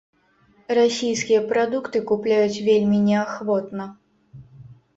Расійскія прадукты купляюць вельмі неахвотна.